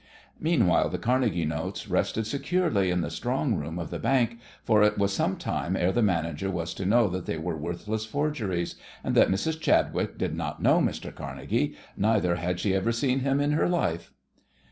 Meanwhile the Carnegie notes rested securely in the strong room of the bank, for it was some time ere the manager was to know that they were worthless forgeries, and that Mrs. Chadwick did not know Mr. Carnegie, neither had she ever seen him in her life!